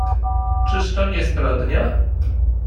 "Czyż to nie zbrodnia?"